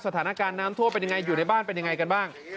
สถานการณ์น้ำท่วมเป็นยังไงอยู่ในบ้านเป็นยังไงกันบ้าง